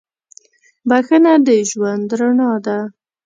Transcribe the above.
• بخښنه د ژوند رڼا ده.